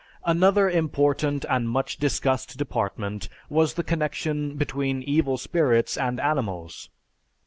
"_) Another important and much discussed department was the connection between evil spirits and animals.